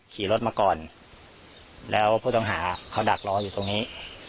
ขี่รถมาก่อนแล้วผู้ต้องหาเขาดักรออยู่ตรงนี้